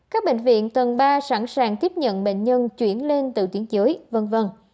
các bệnh viện tầng ba sẵn sàng tiếp nhận bệnh nhân chuyển lên từ tuyến dưới v v